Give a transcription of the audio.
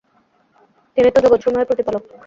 তিনি তো জগতসমূহের প্রতিপালক!